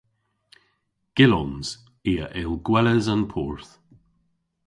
Gyllons. I a yll gweles an porth.